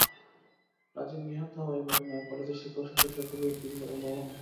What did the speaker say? রাজিন নিহত হওয়ার ঘটনায় কলেজের শিক্ষক শিক্ষার্থীরা খুবই উদ্বিগ্ন ও মর্মাহত।